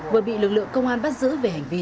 vừa bị lực lượng công an bắt giữ về hành vi